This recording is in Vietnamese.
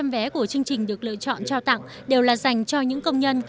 một hai trăm linh vé của chương trình được lựa chọn trao tặng đều là dành cho những công nhân